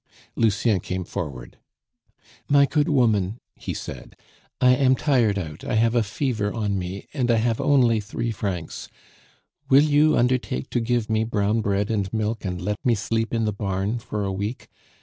Lucien came forward. "My good woman," he said, "I am tired out; I have a fever on me, and I have only three francs; will you undertake to give me brown bread and milk, and let me sleep in the barn for a week?